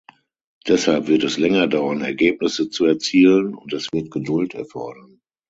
Deshalb wird es länger dauern, Ergebnisse zu erzielen, und es wird Geduld erfordern.